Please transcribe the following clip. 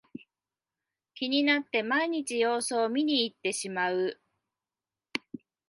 気になって毎日様子を見にいってしまう